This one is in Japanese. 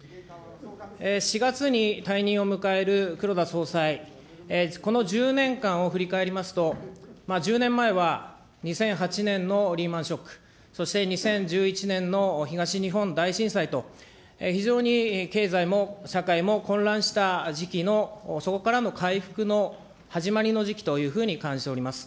４月に退任を迎える黒田総裁、この１０年間を振り返りますと、１０年前は２００８年のリーマンショック、そして２０１１年の東日本大震災と、非常に経済も社会も混乱した時期のそこからの回復の始まりの時期というふうに感じております。